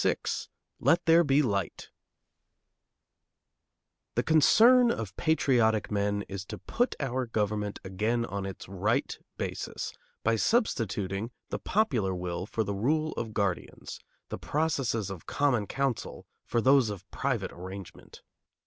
VI LET THERE BE LIGHT The concern of patriotic men is to put our government again on its right basis, by substituting the popular will for the rule of guardians, the processes of common counsel for those of private arrangement.